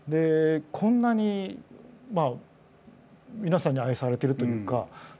こんなに皆さんに愛されてるというか。